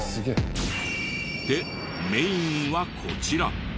でメインはこちら。